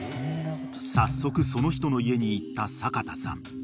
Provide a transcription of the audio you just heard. ［早速その人の家に行った阪田さん］